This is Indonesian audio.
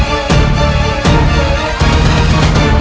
apa yang dilakukan